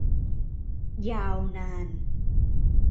ยาวนาน